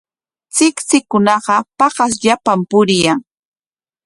Tsiktsikunaqa paqasllapam puriyan.